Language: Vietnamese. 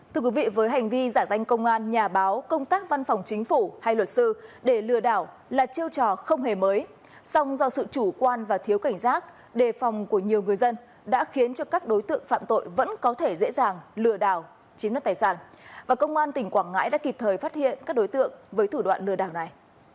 thưa quý vị với hành vi giả danh công an nhà báo công tác văn phòng chính phủ hay luật sư để lừa đảo là chiêu trò không hề mới song do sự chủ quan và thiếu cảnh giác đề phòng của nhiều người dân đã khiến cho các đối tượng phạm tội vẫn có thể dễ dàng lừa đảo chiếm đất tài sản và công an tỉnh quảng ngãi đã kịp thời phát hiện các đối tượng với thủ đoạn lừa đảo này